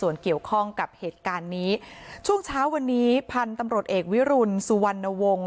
ส่วนเกี่ยวข้องกับเหตุการณ์นี้ช่วงเช้าวันนี้พันธุ์ตำรวจเอกวิรุณสุวรรณวงศ์